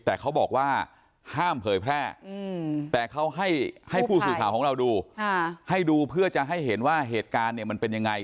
แต่เขาบอกว่าห้ามเผยแพร่แต่เขาให้ผู้สื่อข่าวของเราดูให้ดูเพื่อจะให้เห็นว่าเหตุการณ์เนี่ยมันเป็นยังไง